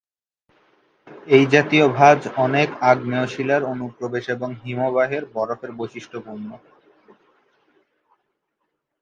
এই জাতীয় ভাঁজ অনেক আগ্নেয় শিলার অনুপ্রবেশ এবং হিমবাহের বরফের বৈশিষ্ট্যপূর্ণ।